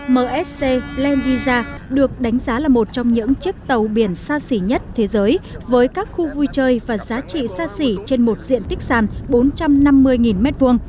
msc blandiza được đánh giá là một trong những chiếc tàu biển xa xỉ nhất thế giới với các khu vui chơi và giá trị xa xỉ trên một diện tích sàn bốn trăm năm mươi m hai